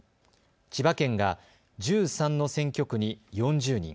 千葉県が１３の選挙区に４０人。